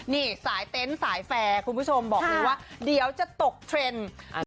นี่สายเต็นต์สายแฟร์คุณผู้ชมบอกเลยว่าเดี๋ยวจะตกเทรนด์